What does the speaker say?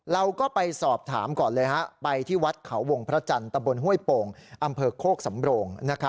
เราก็ไปสอบถามก่อนเลยฮะไปที่วัดเขาวงพระจันทร์ตะบนห้วยโป่งอำเภอโคกสำโรง